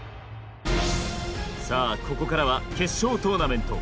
さあここからは決勝トーナメント。